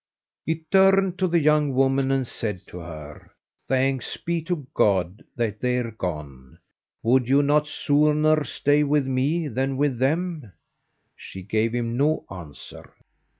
He turned to the young woman and said to her: "Thanks be to God, they're gone. Would you not sooner stay with me than with them?" She gave him no answer.